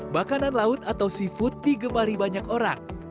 makanan laut atau seafood digemari banyak orang